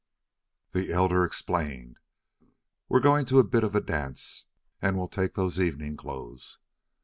The elder explained: "We're going to a bit of a dance and we'll take those evening clothes."